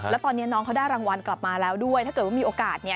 เบาะงางกลับมาแล้วด้วยถ้าเกิดว่ามีโอกาสเนี่ย